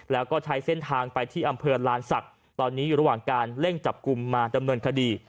แล้วก็ใช้เส้นทางไปที่อำเภอลานศักดิ์ตอนนี้อยู่ระหว่างการเร่งจับกลุ่มมาดำเนินคดี